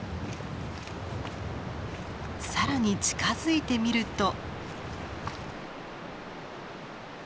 更に近づいてみると。